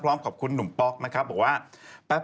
พร้อมขอบคุณหนุ่มป๊อกนะครับบอกว่า